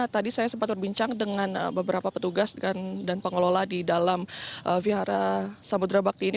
tadi saya sempat berbincang dengan beberapa petugas dan pengelola di dalam vihara samudera bakti ini